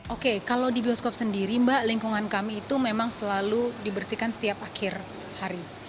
oke kalau di bioskop sendiri mbak lingkungan kami itu memang selalu dibersihkan setiap akhir hari